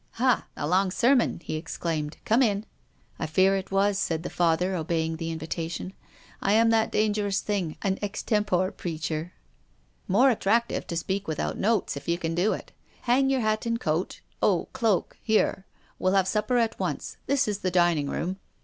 " Ha, a long sermon !" he exclaimed. "Come in." " I fear it was," said the Father, obeying the invitation. " I am that dangerous thing — an ex tempore preacher." " More attractive to speak without notes, if you can do it. Hang your hat and coat — oh, cloak — here. We'll have supper at once. This is the dining room."